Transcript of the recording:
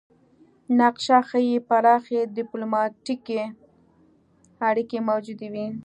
نقشه ښيي پراخې ډیپلوماتیکې اړیکې موجودې وې